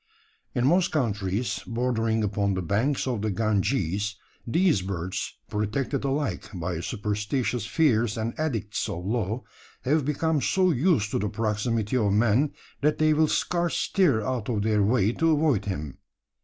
In most countries bordering upon the banks of the Ganges, these birds, protected alike by superstitious fears and edicts of law, have become so used to the proximity of man, that they will scarce stir out of their way to avoid him.